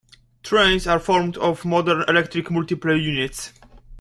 Trains are formed of modern electric multiple units.